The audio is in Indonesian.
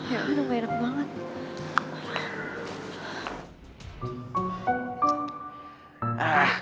ya udah gak enak banget